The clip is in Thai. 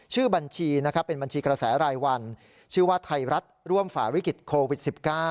ชื่อบัญชีนะครับเป็นบัญชีกระแสรายวันชื่อว่าไทยรัฐร่วมฝ่าวิกฤตโควิด๑๙